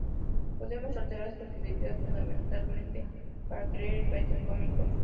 Podemos alterar esta fidelidad fundamentalmente para crear efectos cómicos.